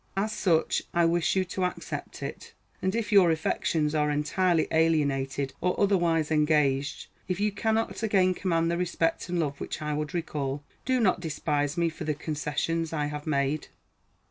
As such I wish you to accept it; and if your affections are entirely alienated or otherwise engaged, if you cannot again command the respect and love which I would recall, do not despise me for the concessions I have made.